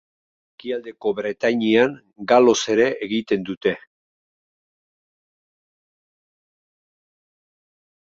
Ekialdeko Bretainian galoz ere egiten dute.